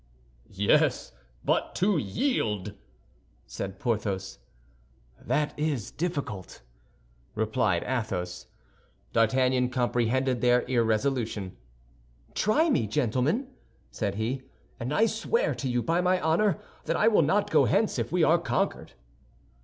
"Yes, but to yield!" said Porthos. "That is difficult," replied Athos. D'Artagnan comprehended their irresolution. "Try me, gentlemen," said he, "and I swear to you by my honor that I will not go hence if we are conquered."